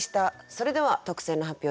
それでは特選の発表です。